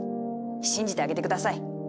信じてあげて下さい。